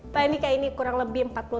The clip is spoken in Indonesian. pak adhika ini kurang lebih empat puluh tahun